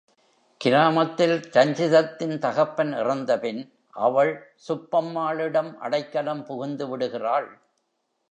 கிராமத்தில் ரஞ்சிதத்தின் தகப்பன் இறந்த பின் அவள் சுப்பம்மாளிடம் அடைக்கலம் புகுந்துவிடுகிறாள்.